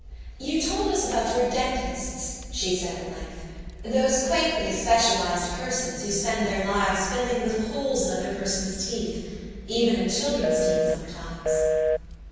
"You told us about your dentists," she said, at length, "those quaintly specialized persons who spend their lives filling little holes in other persons' teeth even in children's teeth sometimes."